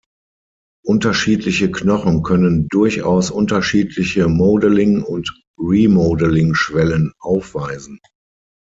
Unterschiedliche Knochen können durchaus unterschiedliche Modeling- und Remodeling-Schwellen aufweisen.